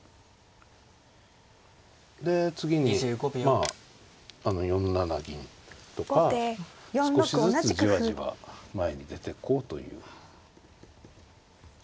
で次にまああの４七銀とか少しずつじわじわ前に出てこうという。